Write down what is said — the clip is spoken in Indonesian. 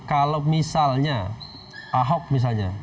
kalau misalnya ahok misalnya